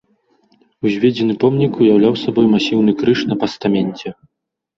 Узведзены помнік уяўляў сабой масіўны крыж на пастаменце.